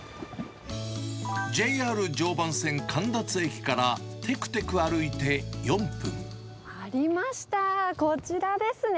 ＪＲ常磐線神立駅からてくてありました、こちらですね。